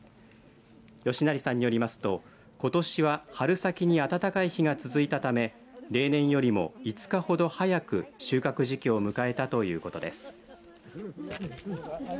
吉成さんによりますと、ことしは春先に暖かい日が続いたため例年よりも５日ほど早く収穫時期を迎えたということです。